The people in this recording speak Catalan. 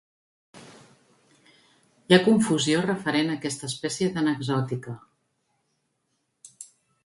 Hi ha confusió referent a aquesta espècie tan exòtica.